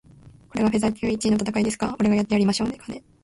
これがフェザー級一位の戦いですか？俺がやってやりましょうかね。